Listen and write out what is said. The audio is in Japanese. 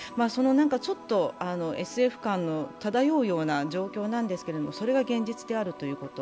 ちょっとＳＦ感の漂うような状況なんですけれどもそれが現実であるということ。